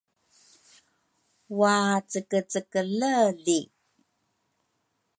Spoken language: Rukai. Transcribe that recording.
Wacekecekele li